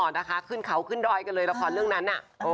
นะคะขึ้นเขาขึ้นดอยกันเลยละครเรื่องนั้นน่ะ